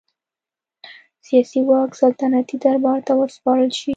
سیاسي واک سلطنتي دربار ته وسپارل شي.